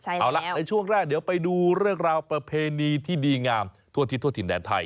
เอาล่ะในช่วงแรกเดี๋ยวไปดูเรื่องราวประเพณีที่ดีงามทั่วทิศทั่วถิ่นแดนไทย